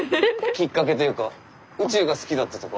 きっかけというか宇宙が好きだったとか？